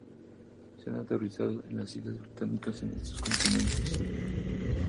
Se ha naturalizado en las Islas Británicas y en otros continentes.